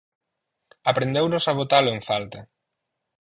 Aprendeunos a botalo en falta.